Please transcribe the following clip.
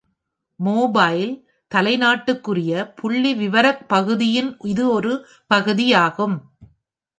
Mobile தலைநாட்டுக்குரிய புள்ளிவிவரப் பகுதியின் இது ஒரு பகுதியாகும்.